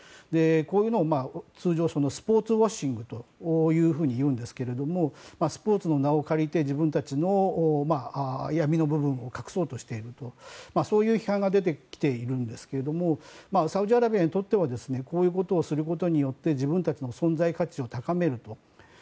こういうのを通常スポーツウォッシングというんですけれどもスポーツの名を借りて自分たちの闇の部分を隠そうとしているとそういう批判が出てきているんですけれどもサウジアラビアにとってはこういうことをすることによって自分たちの存在価値を高めると。